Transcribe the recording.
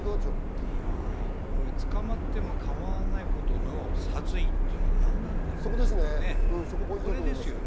捕まっても構わないほどの殺意っていうのは何なんだろうなと思いますね。